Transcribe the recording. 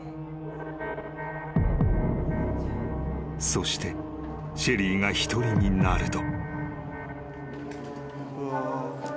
［そしてシェリーが一人になると］